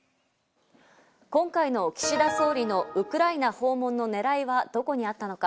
今回の岸田総理のウクライナ訪問の狙いは、どこにあったのか？